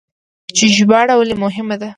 چې ژباړه ولې مهمه ده؟